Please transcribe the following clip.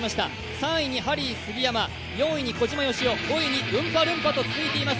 ３位にハリー杉山、４位に小島よしお、５位にウンパルンパと続いています。